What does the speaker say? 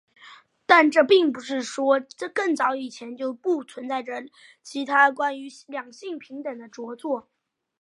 但这并不是说更早以前就不存在着其他关于两性平等的着作。